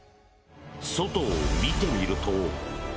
外を見てみると。